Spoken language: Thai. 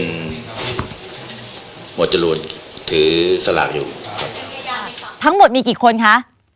เป็นหมดจรุดถือสลักอยู่ทั้งหมดมีกี่คนคะ